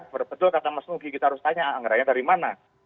betul kata mas nugi kita harus tanya anggarannya dari mana